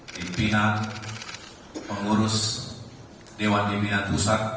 pimpinan pengurus dewan pimpinan pusat